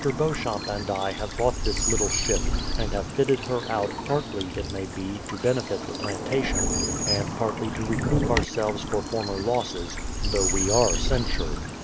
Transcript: Beauchamp and I have bought this little ship, and have fitted her out, partly, it may be, to benefit the plantation, and partly to recoup ourselves for former losses; though we are censured.